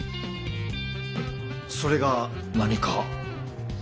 それが何か？